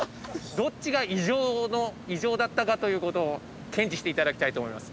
どっちが異常の異常だったかという事を検知していただきたいと思います。